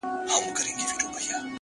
چي ته نه يې زما په ژونــــد كــــــي ـ